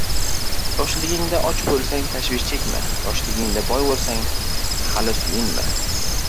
• Yoshligingda och bo‘lsang — tashvish chekma, yoshligingda boy bo‘lsang — hali suyunma.